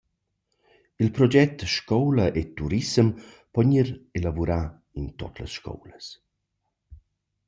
Il proget «scoula e turissem» po gnir elavurà in tuot las scoulas.